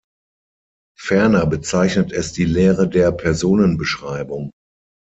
Ferner bezeichnet es die Lehre der Personenbeschreibung.